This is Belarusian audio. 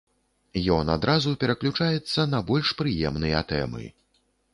Ён адразу пераключаецца на больш прыемныя тэмы.